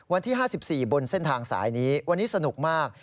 วันที่๕๔บนเส้นทางสายนี้วันนี้สนุกมาก